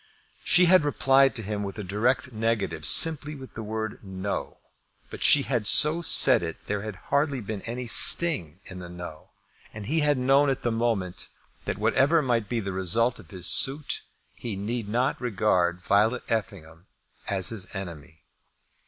She had replied to him with a direct negative, simply with the word "no;" but she had so said it that there had hardly been any sting in the no; and he had known at the moment that whatever might be the result of his suit, he need not regard Violet Effingham as his enemy.